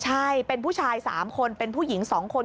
ใช่เป็นผู้ชาย๓คนเป็นผู้หญิง๒คน